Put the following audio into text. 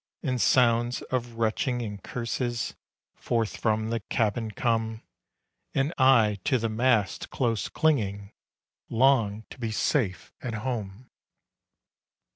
And sounds of retching and curses Forth from the cabin come; And I, to the mast close clinging, Long to be safe at home.